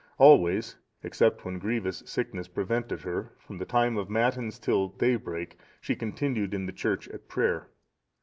Always, except when grievous sickness prevented her, from the time of matins till day break, she continued in the church at prayer.